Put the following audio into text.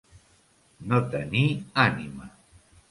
No tenir ànima.